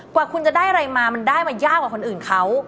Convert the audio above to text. กว่าคุณจะได้อะไรมามันได้มายากกว่าคนอื่นเขา